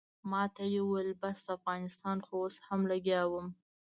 ماته یې وویل بس ده افغانستان ته خو اوس هم لګیا وم.